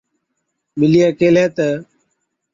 ٻِلِيئَي ڪيهلَي تہ،